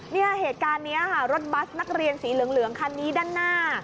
เนี่ยเหตุการณ์นี้ค่ะรถบัสนักเรียนสีเหลืองคันนี้ด้านหน้า